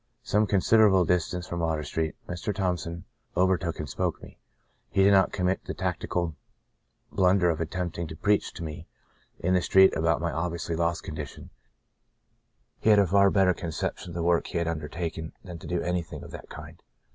Some considerable dis tance from Water Street Mr. Thompson overtook and spoke to me. He did not com mit the tactical blunder of attempting to preach to me in the street about my obviously The Second Spring 183 lost condition. He had a far better concep tion of the work he had undertaken than to do anything of that kind.